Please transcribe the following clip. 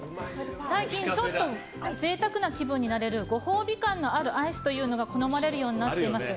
最近ちょっと贅沢な気分になれるご褒美感のあるアイスが好まれるようになっています。